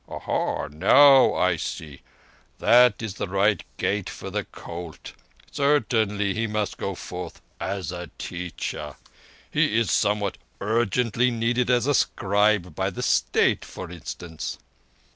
"Aha! Now I see! That is the right gait for the colt. Certainly he must go forth as a teacher. He is somewhat urgently needed as a scribe by the State, for instance."